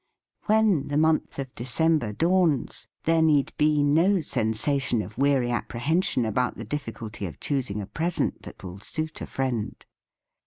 When the month of December dawns, there need be no sensation of weary apprehension about the diffi culty of choosing a present that will suit a friend.